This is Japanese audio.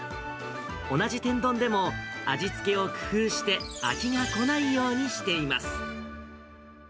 同じ天丼でも味付けを工夫して、飽きが来ないようにしています。